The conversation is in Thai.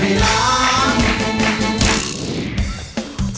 ถูก